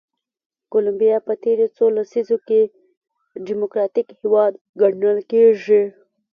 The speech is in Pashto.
کولمبیا په تېرو څو لسیزو کې ډیموکراتیک هېواد ګڼل کېږي.